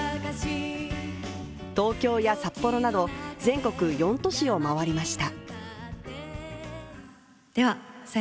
東京や札幌など、全国４都市を回りました。